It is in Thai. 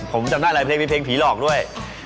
ผมจำได้หลายเพลงมีเพลงผีหลอกด้วย